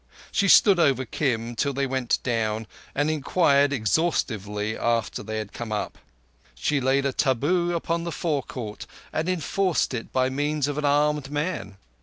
She stood over Kim till they went down, and inquired exhaustively after they had come up. She laid a taboo upon the forecourt, and enforced it by means of an armed man.